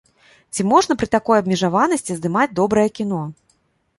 Ці можна пры такой абмежаванасці здымаць добрае кіно?